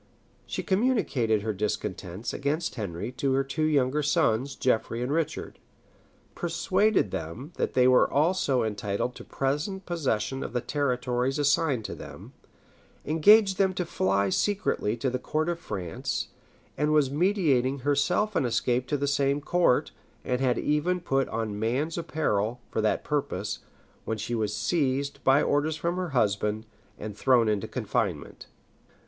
She communicated her discontents against Henry to her two younger sons, Geoffrey and Richard; persuaded them that they were also entitled to present possession of the territories assigned to them; engaged them to fly secretly to the court of France; and was meditating herself an escape to the same court, and had even put on man's apparel for that purpose, when she was seized by orders from her husband, and thrown into confinement.